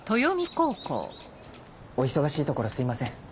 お忙しいところすいません。